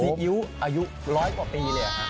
ซีอิ๊วอายุร้อยกว่าปีเลยหรือครับ